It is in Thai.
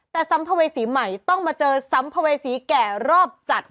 แต่ซ้ำภาวิสีใหม่ต้องมาเจอซ้ำภาวิสีแก่รอบจัด